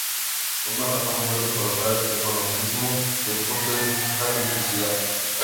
Una razón fuerte para usar el formalismo del punto es la simplicidad.